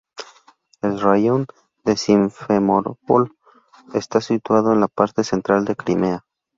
El Raión de Simferópol está situado en la parte central de Crimea.